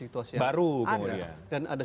situasi yang baru dan ada